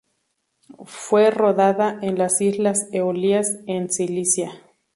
Fue rodada en las Islas Eolias en Sicilia.